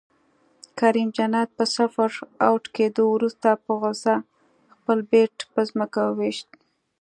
کریم جنت په صفر اؤټ کیدو وروسته په غصه خپل بیټ په ځمکه وویشت